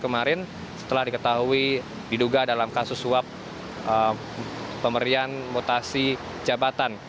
kemarin setelah diketahui diduga dalam kasus suap pemberian mutasi jabatan